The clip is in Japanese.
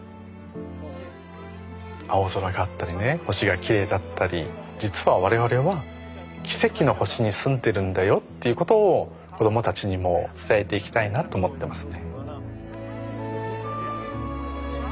青空があったりね星がきれいだったり実は我々は奇跡の星に住んでるんだよっていうことを子供たちにも伝えていきたいなと思ってますね。